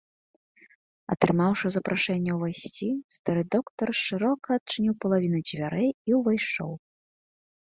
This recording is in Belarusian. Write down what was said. Атрымаўшы запрашэнне ўвайсці, стары доктар шырока адчыніў палавіну дзвярэй і ўвайшоў.